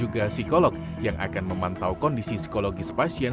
dan psikolog yang akan memantau kondisi psikologis pasien